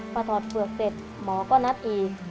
พอถอดเปลือกเสร็จหมอก็นัดอีก